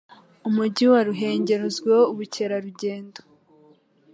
Umujyi wa Ruhengeri uzwiho ubukerarugendo